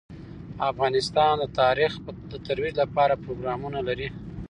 افغانستان د تاریخ د ترویج لپاره پروګرامونه لري.